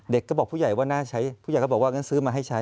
เด็กก็บอกผู้ใหญ่ว่าน่าใช้ผู้ใหญ่ก็บอกว่างั้นซื้อมาให้ใช้